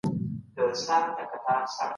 شور خوراک اغېزمنوي.